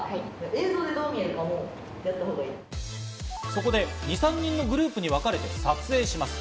そこで２３人のグループにわかれて撮影します。